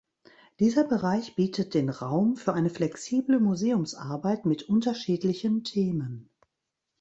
Dieser Bereich bietet den Raum für eine flexible Museumsarbeit mit unterschiedlichen Themen.